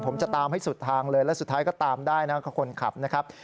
ผมจะตามให้สุดทางเลยแล้วสุดท้ายก็ตามได้นะครับคนขับนะครับ